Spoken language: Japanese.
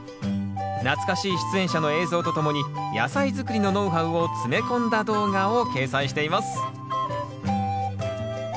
懐かしい出演者の映像とともに野菜づくりのノウハウを詰め込んだ動画を掲載しています